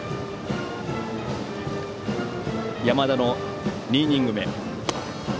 山田の２イニング目。